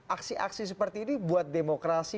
aksi aksi seperti ini buat demokrasi